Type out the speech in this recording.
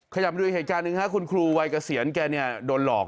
ขยับไปดูอีกเหตุการณ์นึงฮะคุณครูไวเกษียรแกนี่โดนหลอก